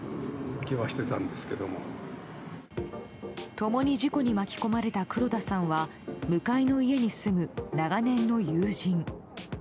共に事故に巻き込まれた黒田さんは向かいの家に住む長年の友人。